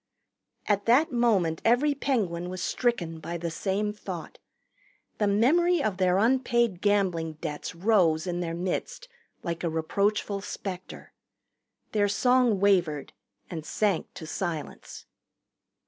At that moment every Penguin was stricken by the same thought. The memory of their unpaid gambling debts rose in their midst like a reproachful specter. Their song wavered and sank to silence.